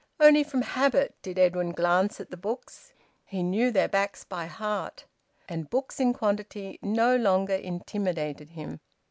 Only from habit did Edwin glance at the books. He knew their backs by heart. And books in quantity no longer intimidated him.